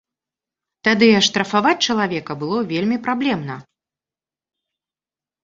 Тады аштрафаваць чалавека было вельмі праблемна.